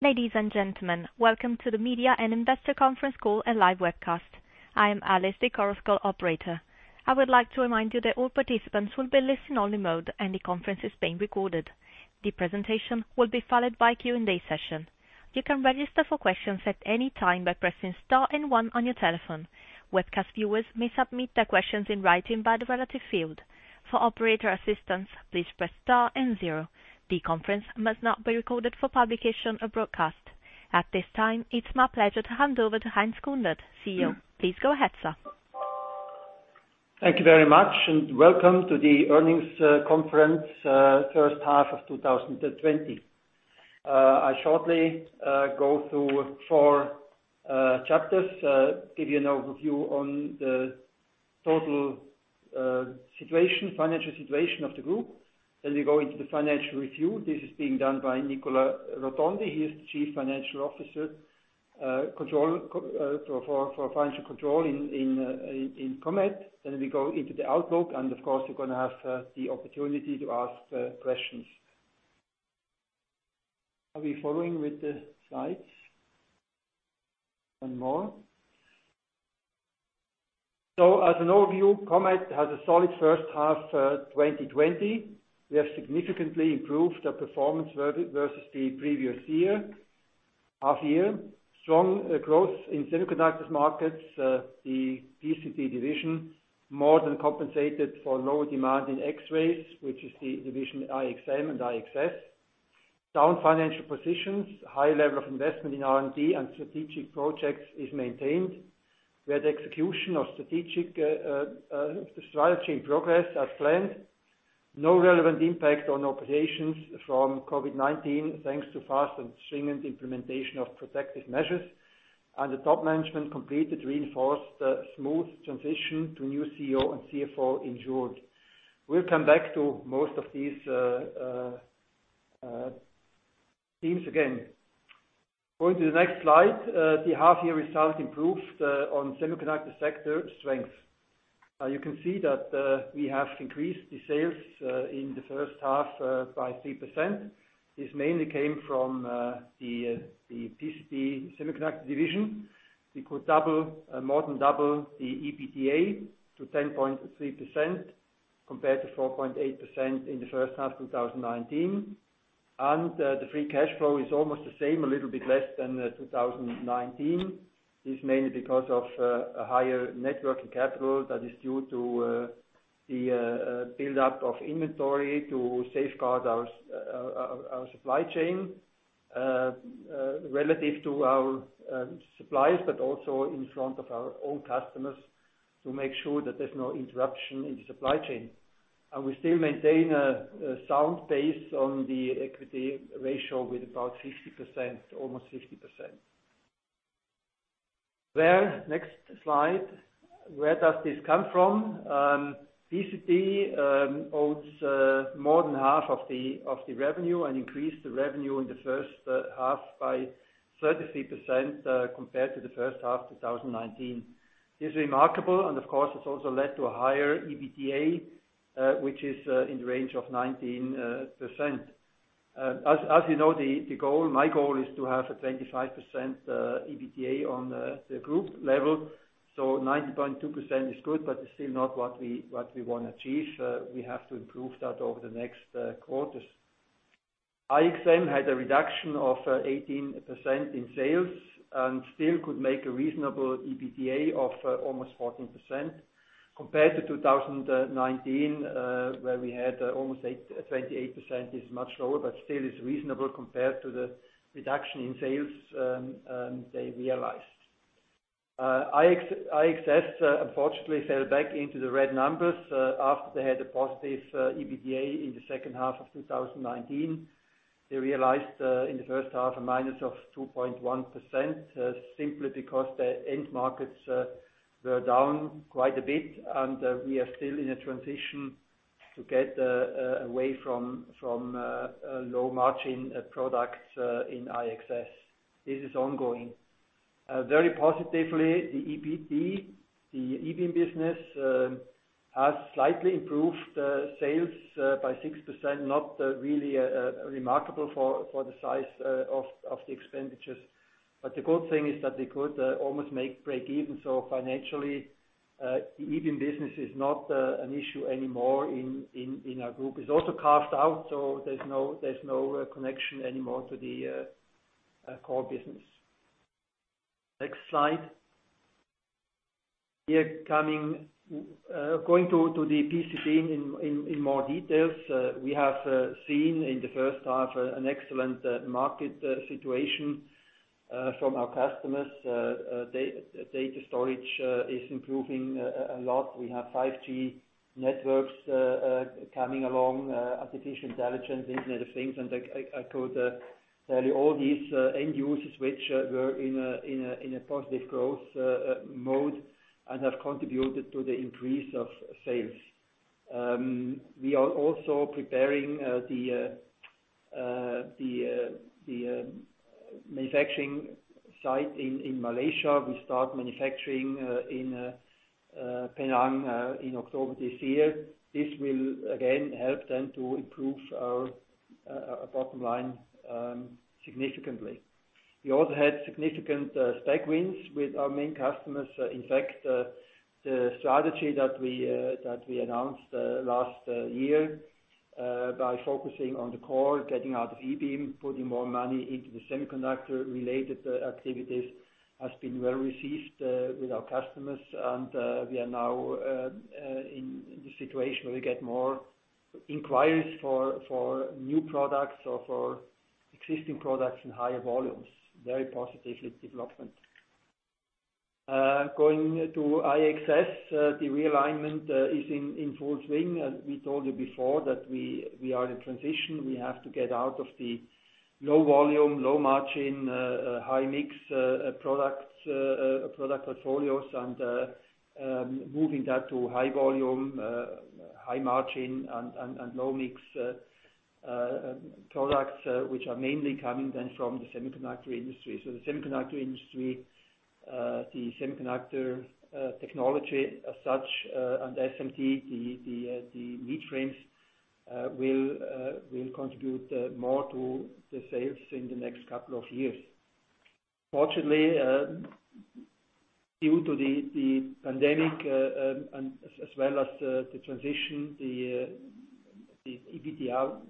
Ladies and gentlemen, welcome to the Media and Investor Conference Call and Live Webcast. I am Alice, the conference call operator. I would like to remind you that all participants will be in listen-only mode, and the conference is being recorded. The presentation will be followed by a Q&A session. You can register for questions at any time by pressing star and one on your telephone. Webcast viewers may submit their questions in writing by the relative field. For operator assistance, please press star and zero. The conference must not be recorded for publication or broadcast. At this time, it's my pleasure to hand over to Heinz Kundert, CEO. Please go ahead, sir. Thank you very much. Welcome to the earnings conference, first half of 2020. I shortly go through four chapters, give you an overview on the total financial situation of the Group. We go into the financial review. This is being done by Nicola Rotondo. He is the Chief Financial Officer for financial control in Comet. We go into the outlook, and of course, you're going to have the opportunity to ask questions. Are we following with the slides? One more. As an overview, Comet has a solid first half 2020. We have significantly improved our performance versus the previous half year. Strong growth in semiconductors markets, the PCT division, more than compensated for lower demand in X-rays, which is the division IXM and IXS. Sound financial positions. High level of investment in R&D and strategic projects is maintained. We had execution of strategic strategy in progress as planned. No relevant impact on operations from COVID-19, thanks to fast and stringent implementation of protective measures, and the top management completed reinforced a smooth transition to new CEO and CFO in June. We'll come back to most of these themes again. Going to the next slide. The half year result improved on semiconductor sector strength. You can see that we have increased the sales in the first half by 3%. This mainly came from the PCT semiconductor division. We could more than double the EBITDA to 10.3% compared to 4.8% in the first half 2019. The free cash flow is almost the same, a little bit less than 2019. It's mainly because of a higher net working capital that is due to the build-up of inventory to safeguard our supply chain relative to our suppliers, but also in front of our own customers to make sure that there's no interruption in the supply chain. We still maintain a sound base on the equity ratio with about almost 50%. Well, next slide. Where does this come from? PCT owns more than half of the revenue and increased the revenue in the first half by 33% compared to the first half 2019. It's remarkable, and of course, it's also led to a higher EBITDA, which is in the range of 19%. As you know, my goal is to have a 25% EBITDA on the group level. 19.2% is good, but it's still not what we want to achieve. We have to improve that over the next quarters. IXM had a reduction of 18% in sales and still could make a reasonable EBITDA of almost 14%, compared to 2019, where we had almost 28%. It's much lower, but still is reasonable compared to the reduction in sales they realized. IXS, unfortunately, fell back into the red numbers, after they had a positive EBITDA in the second half of 2019. They realized, in the first half, a minus of 2.1%, simply because their end markets were down quite a bit, and we are still in a transition to get away from low margin products in IXS. This is ongoing. Very positively, the EBT, the e-beam business, has slightly improved sales by 6%, not really remarkable for the size of the expenditures. The good thing is that we could almost break even. Financially, e-beam business is not an issue anymore in our group. It's also carved out. There's no connection anymore to the core business. Next slide. Going to the PCT in more details. We have seen in the first half an excellent market situation from our customers. Data storage is improving a lot. We have 5G networks coming along, artificial intelligence, Internet of Things, and I could tell you all these end users, which were in a positive growth mode and have contributed to the increase of sales. We are also preparing the manufacturing site in Malaysia. We start manufacturing in Penang in October this year. This will again help then to improve our bottom line significantly. We also had significant spec wins with our main customers. In fact, the strategy that we announced last year, by focusing on the core, getting out of e-beam, putting more money into the semiconductor-related activities, has been well received with our customers, and we are now in the situation where we get more inquiries for new products or for existing products in higher volumes. Very positive development. Going to IXS, the realignment is in full swing. As we told you before, that we are in transition. We have to get out of the low volume, low margin, high-mix product portfolios, and moving that to high volume, high margin, and low-mix products, which are mainly coming then from the semiconductor industry. The semiconductor industry, the semiconductor technology as such, and SMT, the leadframes, will contribute more to the sales in the next couple of years. Unfortunately, due to the pandemic, as well as the transition, the EBITDA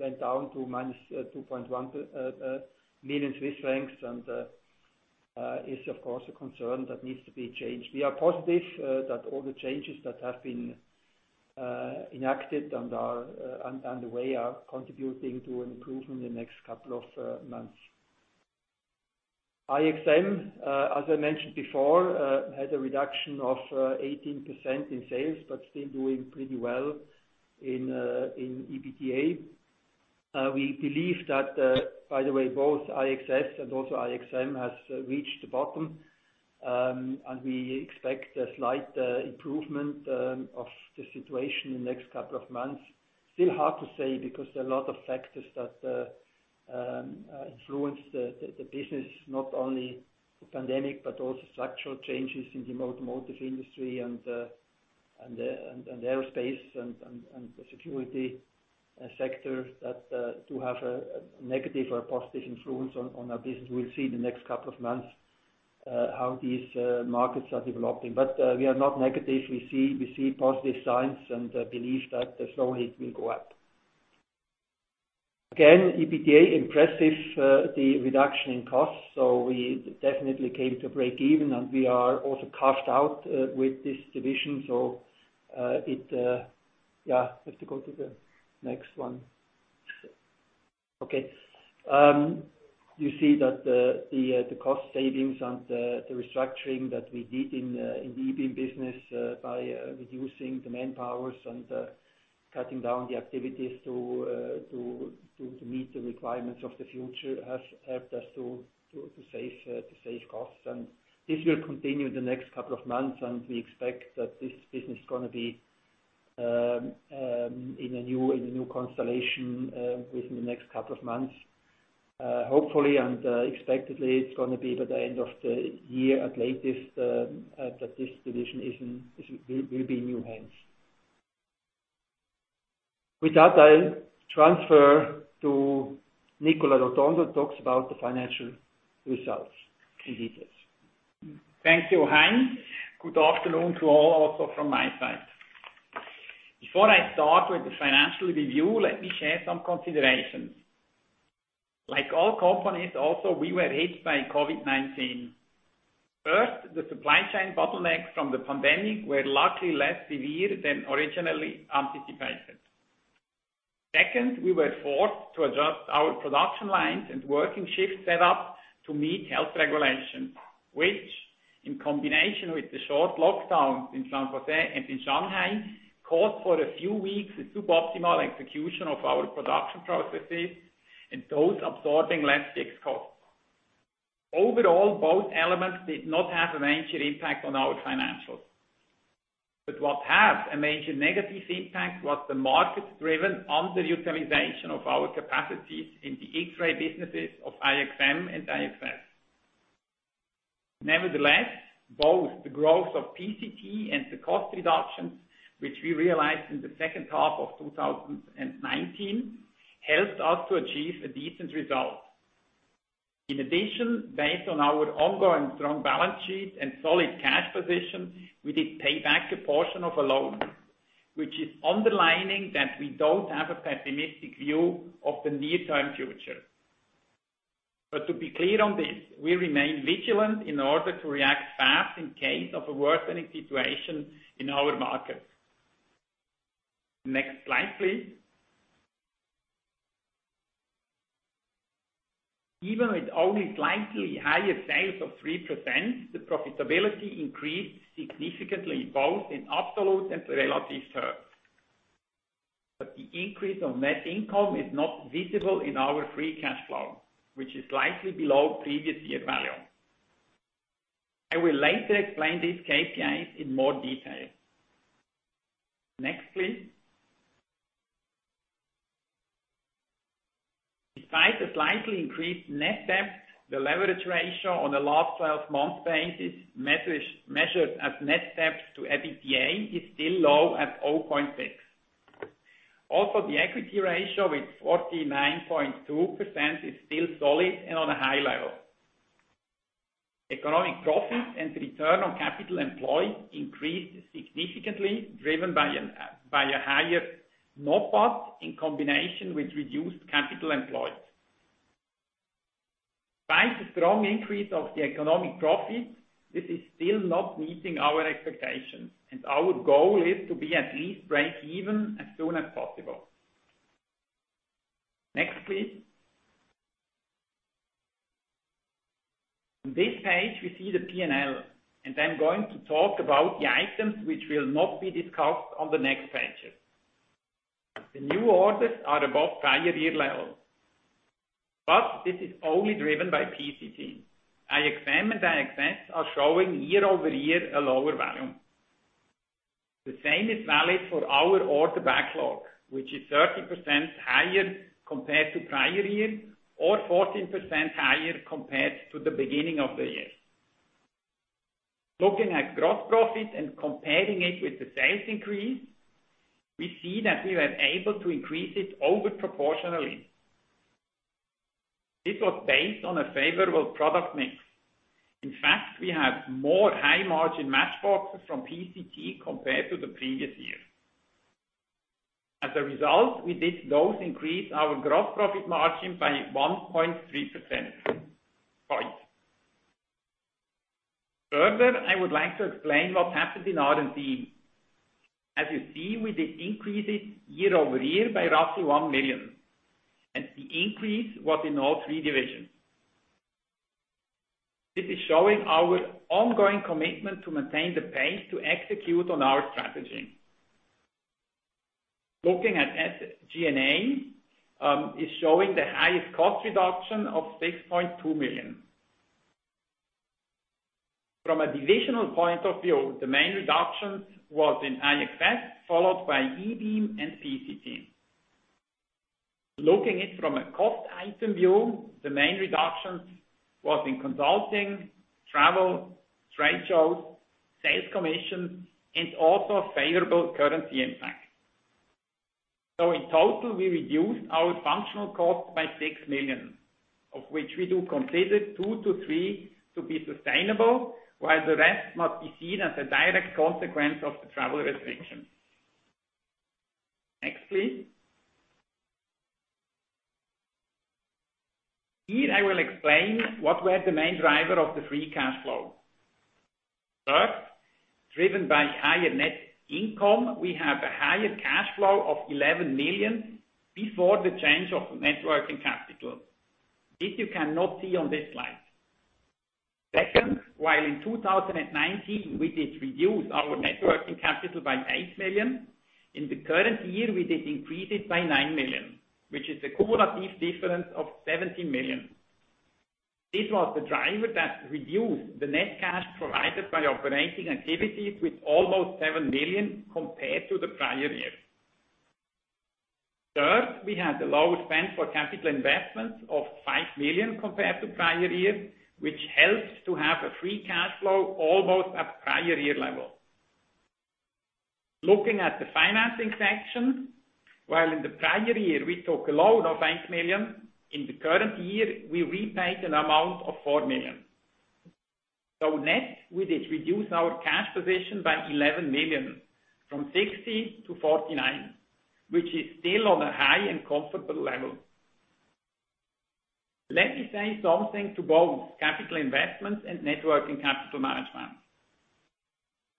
went down to -2.1 million Swiss francs, and is of course a concern that needs to be changed. We are positive that all the changes that have been enacted and are underway are contributing to an improvement in the next couple of months. IXM, as I mentioned before, had a reduction of 18% in sales, but still doing pretty well in EBITDA. We believe that, by the way, both IXS and also IXM has reached the bottom, and we expect a slight improvement of the situation in the next couple of months. Still hard to say because there are a lot of factors that influence the business, not only the pandemic, but also structural changes in the automotive industry and aerospace and the security sector that do have a negative or positive influence on our business. We'll see in the next couple of months how these markets are developing. We are not negative. We see positive signs and believe that slowly it will go up. Again, EBITDA impressive, the reduction in costs. We definitely came to break even, and we are also carved out with this division. Yeah, have to go to the next one. You see that the cost savings and the restructuring that we did in the e-beam business, by reducing the manpower and cutting down the activities to meet the requirements of the future, has helped us to save costs. This will continue the next couple of months, and we expect that this business is going to be in a new constellation within the next couple of months. Hopefully and expectedly, it's going to be by the end of the year at latest, that this division will be in new hands. With that, I'll transfer to Nicola Rotondo, who talks about the financial results in details. Thank you, Heinz. Good afternoon to all also from my side. Before I start with the financial review, let me share some considerations. Like all companies also, we were hit by COVID-19. First, the supply chain bottlenecks from the pandemic were luckily less severe than originally anticipated. Second, we were forced to adjust our production lines and working shift set up to meet health regulations, which, in combination with the short lockdowns in San Jose and in Shanghai, caused for a few weeks a suboptimal execution of our production processes, and thus absorbing less fixed costs. Overall, both elements did not have a major impact on our financials. What had a major negative impact was the market-driven underutilization of our capacities in the X-ray businesses of IXM and IXS. Nevertheless, both the growth of PCT and the cost reductions, which we realized in the second half of 2019, helped us to achieve a decent result. In addition, based on our ongoing strong balance sheet and solid cash position, we did pay back a portion of a loan, which is underlining that we don't have a pessimistic view of the near-term future. To be clear on this, we remain vigilant in order to react fast in case of a worsening situation in our market. Next slide, please. Even with only slightly higher sales of 3%, the profitability increased significantly, both in absolute and relative terms. The increase of net income is not visible in our free cash flow, which is slightly below previous year value. I will later explain these KPIs in more detail. Next, please. Despite a slightly increased net debt, the leverage ratio on the last 12 months basis, measured as net debt to EBITDA, is still low at 0.6. The equity ratio with 49.2% is still solid and on a high level. Economic profit and return on capital employed increased significantly, driven by a higher NOPAT in combination with reduced capital employed. By the strong increase of the economic profit, this is still not meeting our expectations, and our goal is to be at least break even as soon as possible. Next, please. On this page, we see the P&L, and I'm going to talk about the items which will not be discussed on the next pages. The new orders are above prior year level. This is only driven by PCT. IXM and IXS are showing year-over-year a lower volume. The same is valid for our order backlog, which is 30% higher compared to prior year or 14% higher compared to the beginning of the year. Looking at gross profit and comparing it with the sales increase, we see that we were able to increase it over proportionally. This was based on a favorable product mix. In fact, we have more high-margin matchboxes from PCT compared to the previous year. As a result, we did thus increase our gross profit margin by 1.3%. I would like to explain what happened in R&D. As you see, we did increase it year-over-year by roughly 1 million, and the increase was in all three divisions. This is showing our ongoing commitment to maintain the pace to execute on our strategy. Looking at G&A, is showing the highest cost reduction of 6.2 million. From a divisional point of view, the main reductions was in IXS, followed by e-beam and PCT. Looking it from a cost item view, the main reductions was in consulting, travel, trade shows, sales commission, and also a favorable currency impact. In total, we reduced our functional cost by 6 million, of which we do consider two to three to be sustainable, while the rest must be seen as a direct consequence of the travel restrictions. Next, please. Here I will explain what were the main driver of the free cash flow. First, driven by higher net income, we have a higher cash flow of 11 million before the change of net working capital. This you cannot see on this slide. Second, while in 2019, we did reduce our net working capital by 8 million. In the current year, we did increase it by 9 million, which is a cumulative difference of 17 million. This was the driver that reduced the net cash provided by operating activities with almost 7 million compared to the prior year. Third, we had a low spend for capital investments of 5 million compared to prior year, which helps to have a free cash flow almost at prior year level. Looking at the financing section, while in the prior year we took a loan of 9 million, in the current year, we repaid an amount of 4 million. Net, we did reduce our cash position by 11 million, from 60 to 49, which is still on a high and comfortable level. Let me say something to both capital investments and net working capital management.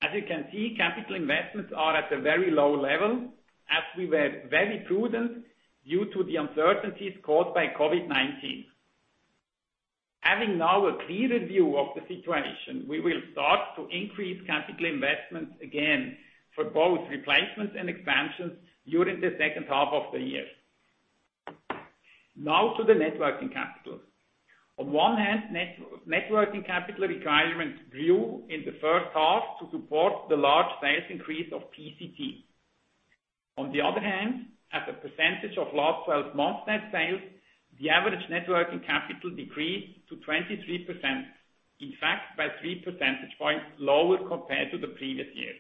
As you can see, capital investments are at a very low level as we were very prudent due to the uncertainties caused by COVID-19. Having now a clearer view of the situation, we will start to increase capital investments again for both replacements and expansions during the second half of the year. Now to the net working capital. On one hand, net working capital requirements grew in the first half to support the large sales increase of PCT. On the other hand, as a percentage of last 12 months net sales, the average net working capital decreased to 23%, in fact, by 3 percentage points lower compared to the previous year.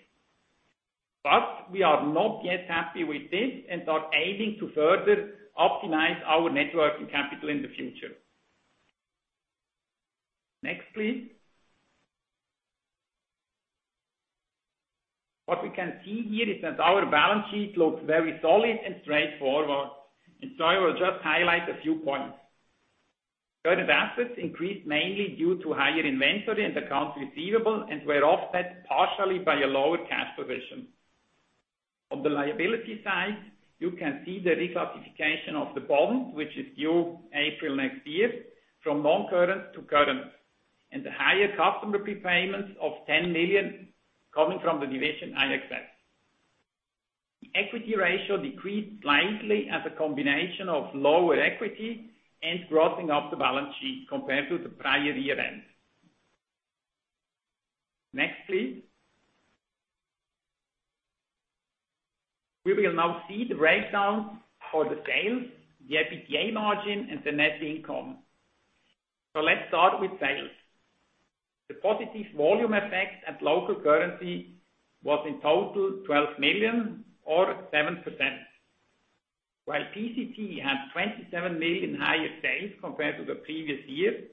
We are not yet happy with this and are aiming to further optimize our net working capital in the future. Next, please. What we can see here is that our balance sheet looks very solid and straightforward, and so I will just highlight a few points. Current assets increased mainly due to higher inventory and accounts receivable and were offset partially by a lower cash position. On the liability side, you can see the reclassification of the bond, which is due April next year from non-current to current, and the higher customer prepayments of 10 million coming from the division IXS. The equity ratio decreased slightly as a combination of lower equity and grossing up the balance sheet compared to the prior year end. Next, please. We will now see the breakdown for the sales, the EBITDA margin, and the net income. Let's start with sales. The positive volume effects at local currency was in total 12 million or 7%. While PCT had 27 million higher sales compared to the previous year,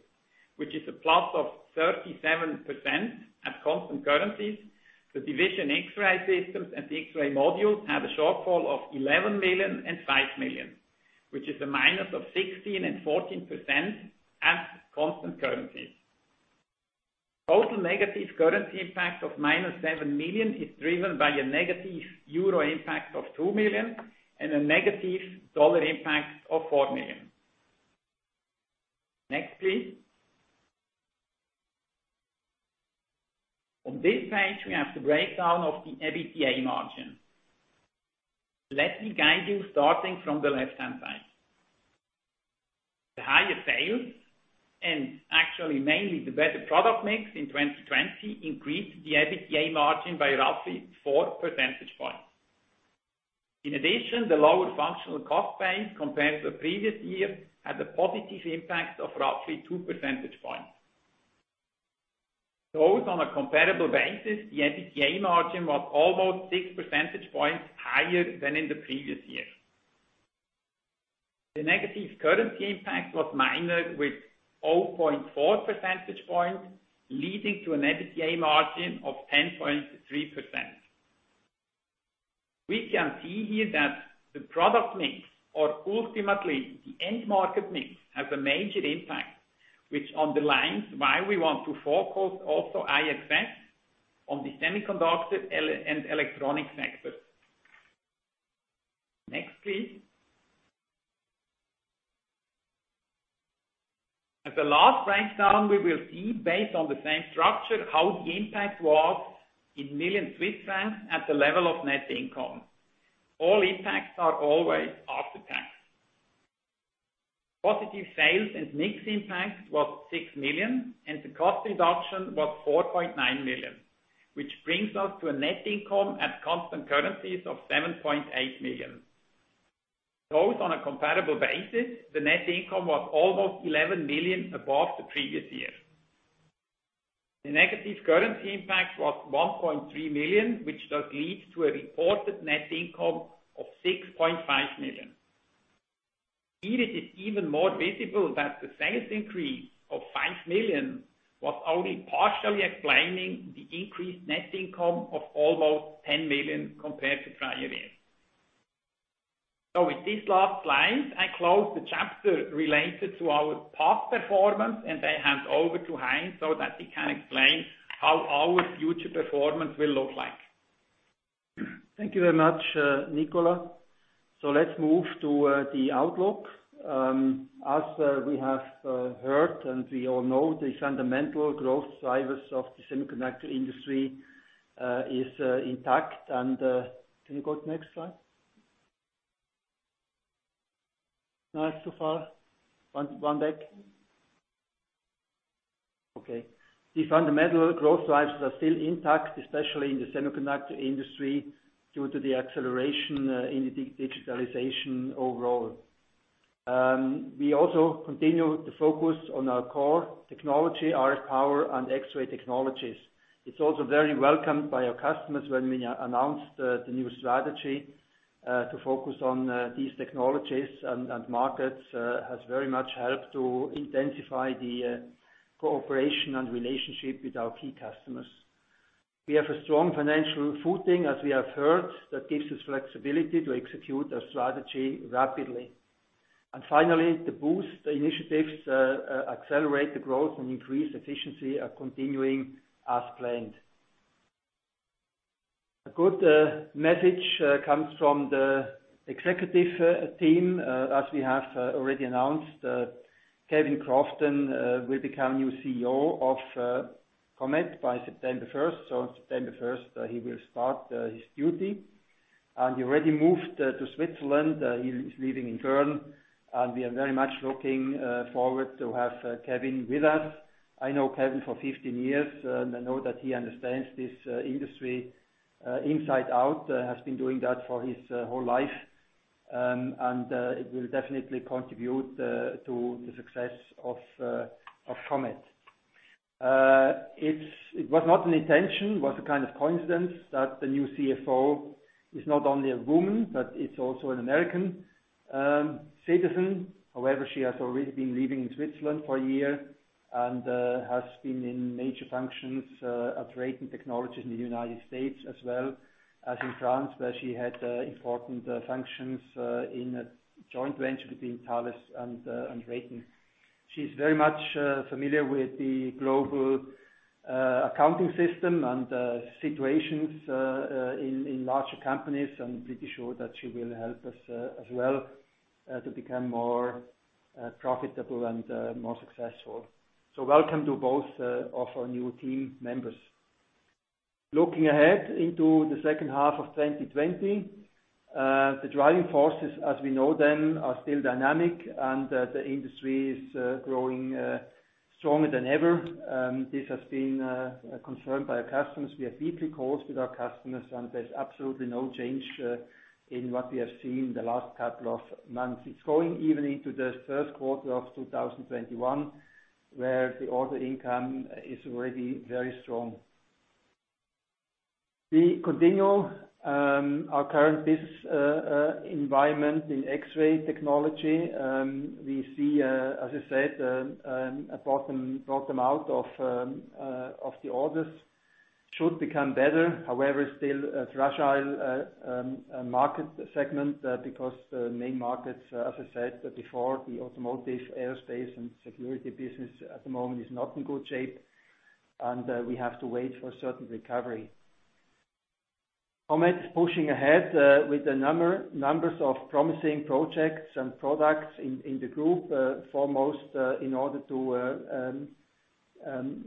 which is a plus of 37% at constant currencies, the division X-Ray Systems and the X-Ray Modules had a shortfall of 11 million and 5 million, which is a minus of 16% and 14% at constant currencies. Total negative currency impact of -7 million is driven by a negative EUR impact of 2 million and a negative USD impact of 4 million. Next, please. On this page, we have the breakdown of the EBITDA margin. Let me guide you starting from the left-hand side. The higher sales, and actually mainly the better product mix in 2020, increased the EBITDA margin by roughly 4 percentage points. In addition, the lower functional cost base compared to the previous year, had a positive impact of roughly 2 percentage points. Both on a comparable basis, the EBITDA margin was almost 6 percentage points higher than in the previous year. The negative currency impact was minor, with 0.4 percentage points, leading to an EBITDA margin of 10.3%. We can see here that the product mix, or ultimately the end market mix, has a major impact, which underlines why we want to focus also IXS on the semiconductor and electronic sectors. Next, please. As a last breakdown, we will see based on the same structure, how the impact was in million CHF at the level of net income. All impacts are always after tax. Positive sales and mix impact was 6 million, the cost reduction was 4.9 million, which brings us to a net income at constant currencies of 7.8 million. Both on a comparable basis, the net income was almost 11 million above the previous year. The negative currency impact was 1.3 million, which does lead to a reported net income of 6.5 million. Here it is even more visible that the sales increase of 5 million was only partially explaining the increased net income of almost 10 million compared to prior years. With this last slide, I close the chapter related to our past performance, and I hand over to Heinz so that he can explain how our future performance will look like. Thank you very much, Nicola. Let's move to the outlook. As we have heard and we all know, the fundamental growth drivers of the semiconductor industry is intact. Can you go to the next slide? No, that's too far. One back. Okay. These fundamental growth drivers are still intact, especially in the semiconductor industry, due to the acceleration in the digitalization overall. We also continue to focus on our core technology, RF power, and X-ray technologies. It's also very welcomed by our customers when we announced the new strategy to focus on these technologies, and markets has very much helped to intensify the cooperation and relationship with our key customers. We have a strong financial footing, as we have heard, that gives us flexibility to execute our strategy rapidly. Finally, the boost initiatives accelerate the growth and increase efficiency are continuing as planned. A good message comes from the executive team. As we have already announced, Kevin Crofton will become new CEO of Comet by September 1st. On September 1st, he will start his duty. He already moved to Switzerland. He is living in Bern, we are very much looking forward to have Kevin with us. I know Kevin for 15 years, I know that he understands this industry inside out, has been doing that for his whole life. It will definitely contribute to the success of Comet. It was not an intention, it was a kind of coincidence that the new CFO is not only a woman, but is also an American citizen. However, she has already been living in Switzerland for a year and has been in major functions at Raytheon Technologies in the U.S., as well as in France, where she had important functions in a joint venture between Thales and Raytheon. She's very much familiar with the global accounting system and situations in larger companies. I'm pretty sure that she will help us as well to become more profitable and more successful. Welcome to both of our new team members. Looking ahead into the second half of 2020, the driving forces, as we know them, are still dynamic and the industry is growing stronger than ever. This has been confirmed by our customers. We have weekly calls with our customers, and there's absolutely no change in what we have seen the last couple of months. It's going even into the first quarter of 2021, where the order income is already very strong. We continue our current business environment in x-ray technology. We see, as I said, a bottom out of the orders. Should become better. However, still a fragile market segment because the main markets, as I said before, the automotive, aerospace, and security business at the moment is not in good shape. We have to wait for a certain recovery. Comet is pushing ahead with the numbers of promising projects and products in the group, foremost in order to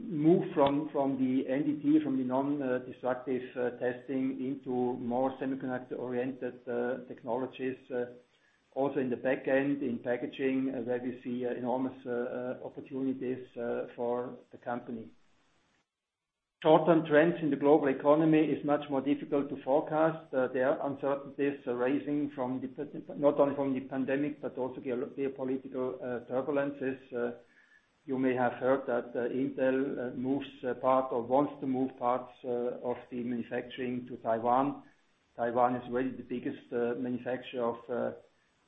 move from the NDT, from the non-destructive testing, into more semiconductor-oriented technologies. Also in the back end, in packaging, where we see enormous opportunities for the company. Short-term trends in the global economy is much more difficult to forecast. There are uncertainties arising, not only from the pandemic, but also geopolitical turbulences. You may have heard that Intel moves part or wants to move parts of the manufacturing to Taiwan. Taiwan is really the biggest manufacturer of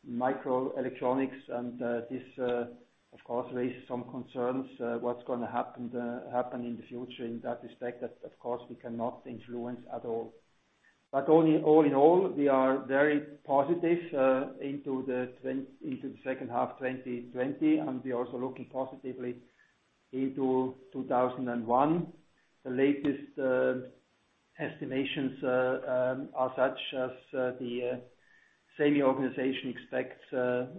microelectronics, and this, of course, raises some concerns. What's going to happen in the future in that respect, of course, we cannot influence at all. All in all, we are very positive into the second half 2020, and we are also looking positively into 2021. The latest estimations are such as the SEMI organization expects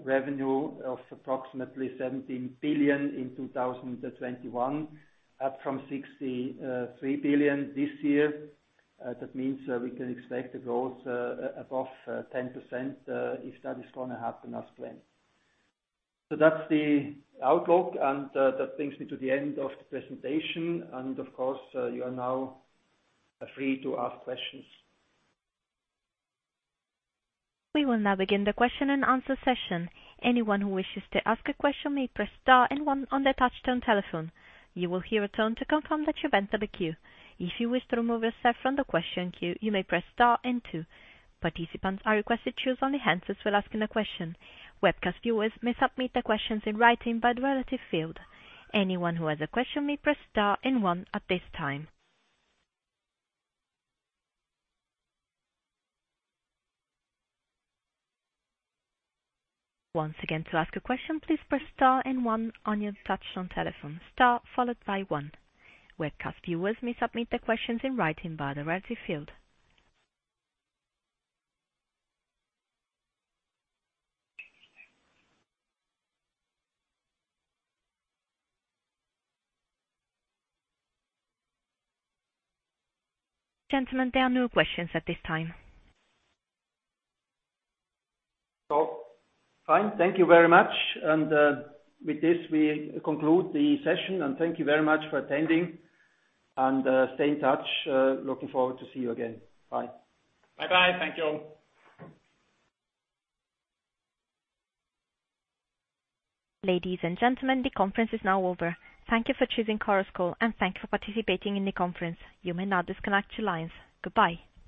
revenue of approximately 70 billion in 2021, up from 63 billion this year. We can expect a growth above 10%, if that is going to happen as planned. That's the outlook, and that brings me to the end of the presentation. Of course, you are now free to ask questions. We will now begin the question and answer session. Anyone who wishes to ask a question may press star and one on their touchtone telephone. You will hear a tone to confirm that you've entered the queue. If you wish to remove yourself from the question queue, you may press star and two. Participants are requested to choose only hands that's still asking a question. Webcast viewers may submit their questions in writing by the relative field. Anyone who has a question may press star and one at this time. Once again, to ask a question, please press star and one on your touchtone telephone. Star followed by one. Webcast viewers may submit their questions in writing via the relative field. Gentlemen, there are no questions at this time. Fine. Thank you very much. With this, we conclude the session, and thank you very much for attending. Stay in touch. Looking forward to see you again. Bye. Bye. Thank you. Ladies and gentlemen, the conference is now over. Thank you for choosing Chorus Call, and thank you for participating in the conference. You may now disconnect your lines. Goodbye.